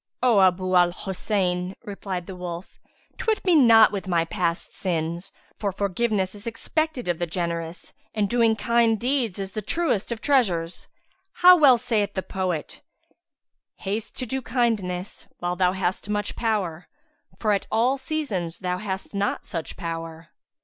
'" "O Abu 'l Hosayn," replied the wolf, "twit me not with my past sins; for forgiveness is expected of the generous and doing kind deeds is the truest of treasures. How well saith the poet, 'Haste to do kindness while thou hast much power, * For at all seasons thou hast not such power.'"